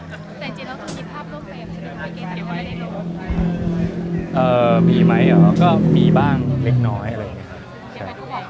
อ่ามีไหมอ่ะก็มีบ้างเล็กน้อยอะไรอย่างเงี้ยค่ะ